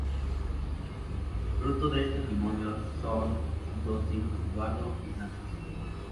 Fruto de este matrimonio son sus dos hijos Eduardo y Francesco.